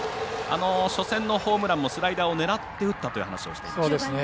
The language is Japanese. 初戦のホームランもスライダーを狙って打ったという話をしていました。